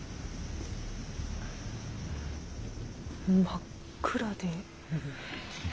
真っ暗で。